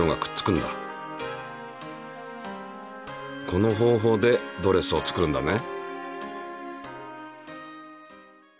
この方法でドレスを作るんだね。